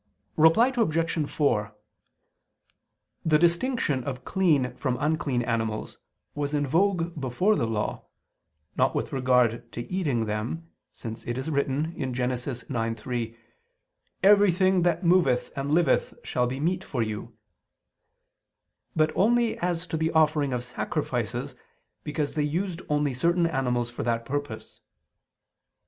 Reply Obj. 4: The distinction of clean from unclean animals was in vogue before the Law, not with regard to eating them, since it is written (Gen. 9:3): "Everything that moveth and liveth shall be meat for you": but only as to the offering of sacrifices because they used only certain animals for that purpose.